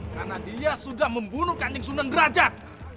karena dia sudah membunuh kaning suneng derajat